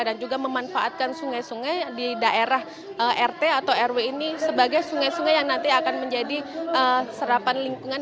dan juga memanfaatkan sungai sungai di daerah rt atau rw ini sebagai sungai sungai yang nanti akan menjadi serapan lingkungan